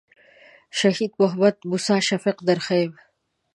شهید محمد موسی شفیق در ښیم.